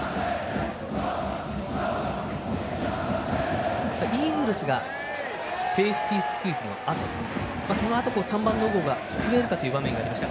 序盤、イーグルスがセーフティースクイズのあと３番の小郷が救えるかということがありました。